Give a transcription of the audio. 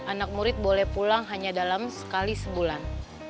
anak murid boleh pulang hanya dalam sekali sebulan